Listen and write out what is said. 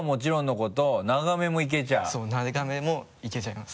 そう長めもいけちゃいます。